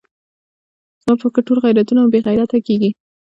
زما په فکر ټول غیرتونه مو بې غیرته کېږي.